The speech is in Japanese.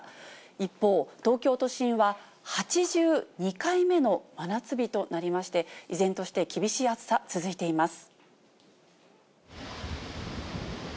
一方、東京都心は８２回目の真夏日となりまして、依然として、厳しい暑さ続いています。